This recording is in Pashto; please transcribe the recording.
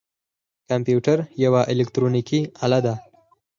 کمپیوټر یوه الکترونیکی آله ده